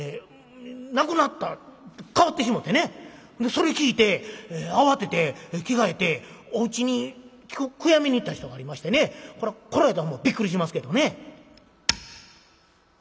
亡くなった変わってしもうてねでそれ聞いて慌てて着替えておうちに悔やみに行った人がありましてねこら来られた方もびっくりしますけどね。